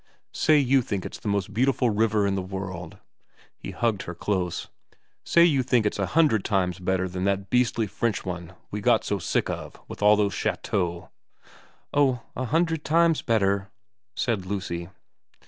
Say you think it's the most beautiful river in the world ' he hugged her close ' say you think it's a hundred times better than that beastly French one we got so sick of with all those chateaux.' ' Oh, a hundred times better,' said Lucy.